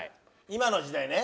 今の時代ね。